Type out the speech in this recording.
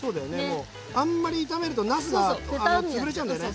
あんまり炒めるとなすが潰れちゃうんだよね。